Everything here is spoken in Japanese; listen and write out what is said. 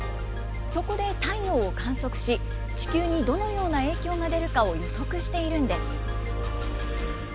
そこで太陽を観測し、地球にどのような影響が出るかを予測しているんです。